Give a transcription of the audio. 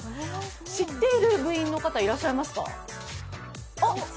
知っている部員の方いらっしゃいますか？